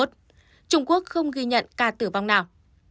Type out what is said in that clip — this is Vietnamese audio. trung quốc không ghi nhận ca tử vong nào